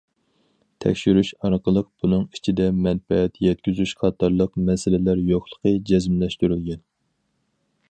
تەكشۈرۈش ئارقىلىق بۇنىڭ ئىچىدە مەنپەئەت يەتكۈزۈش قاتارلىق مەسىلىلەر يوقلۇقى جەزملەشتۈرۈلگەن.